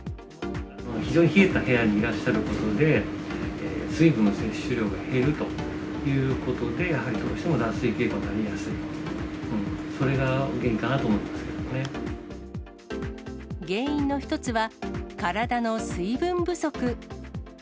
非常に冷えた部屋にいらっしゃることで、水分の摂取量が減るということで、やはりどうしても脱水傾向になりやすい、原因の一つは、体の水分不足。